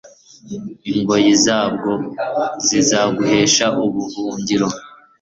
ingoyi zabwo zizaguhesha ubuhungiro